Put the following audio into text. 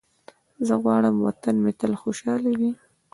زه غواړم وطن مې تل خوشحاله وي.